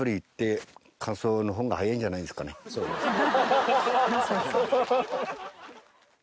そうですね。